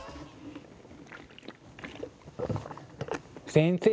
先生